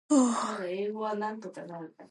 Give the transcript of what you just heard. She had no children.